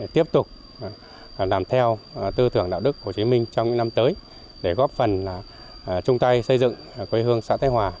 tiếp tục làm theo tư tưởng đạo đức của chí minh trong những năm tới để góp phần trung tay xây dựng quê hương xã tây hòa